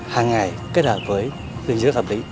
hàng ngày kết hợp với dinh dưỡng ẩm lý